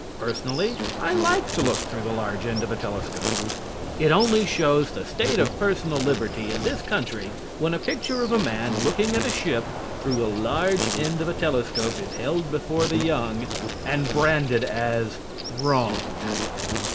Personally, I like to look through the large end of a telescope. It only shows the state of personal liberty in this country when a picture of a man looking at a ship through the large end of a telescope is held before the young and branded as "wrong."